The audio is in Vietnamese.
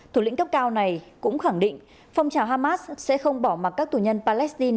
thủ lĩnh cấp cao này cũng khẳng định phong trào hamas sẽ không bỏ mặt các tù nhân palestine